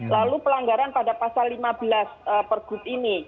lalu pelanggaran pada pasal lima belas pergub ini